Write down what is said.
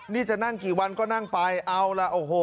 นี่จะนั่งกี่วันก็นั่งไปเอาล่ะโอ้โห